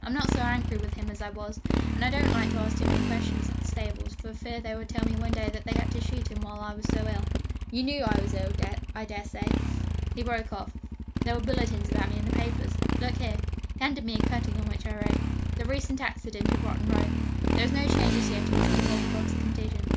I'm not so angry with him as I was, and I don't like to ask too many questions at the stables, for fear they may tell me one day that they had to shoot him while I was so ill. You knew I was ill, I dare say?' he broke off: 'there were bulletins about me in the papers. Look here.' He handed me a cutting on which I read: 'THE RECENT ACCIDENT IN ROTTEN ROW. There is no change as yet in Mr. Pulvertoft's condition.